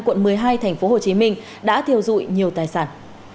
quận một mươi hai tp hcm đã thiêu dụi nhiều tài sản